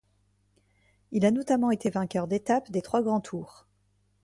Il a notamment été vainqueur d'étapes des trois grands tours.